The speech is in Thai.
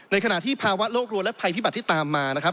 ขณะที่ภาวะโลกรัวและภัยพิบัติที่ตามมานะครับ